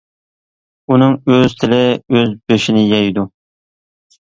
ئۇنىڭ ئۆز تىلى ئۆز بېشىنى يەيدۇ.